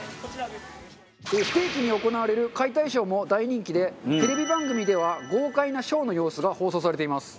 不定期に行われる解体ショーも大人気でテレビ番組では豪快なショーの様子が放送されています。